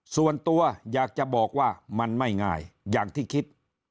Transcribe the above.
ส่วนตัวอยากจะบอกว่ามันไม่ง่ายอย่างที่คิด